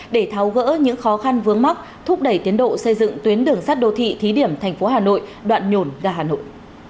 để tháo gỡ những khó khăn vướng mắc thúc đẩy tiến độ xây dựng tuyến đường sắt đô thị thí điểm thành phố hà nội đoạn nhổn ga hà nội